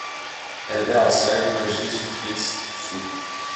Elle met en scène un Jésus-Christ fou.